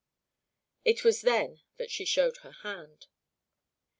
It was then that she showed her hand.